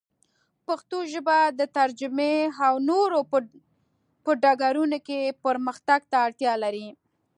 پښتو ژبه د ترجمې او نورو په ډګرونو کې پرمختګ ته اړتیا لري.